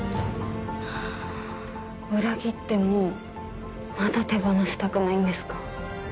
裏切ってもまだ手放したくないんですか？